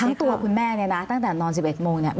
ตัวคุณแม่เนี่ยนะตั้งแต่นอน๑๑โมงเนี่ย